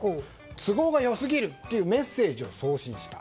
都合が良すぎるというメッセージを送信した。